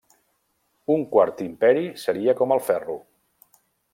Un quart imperi seria com el ferro.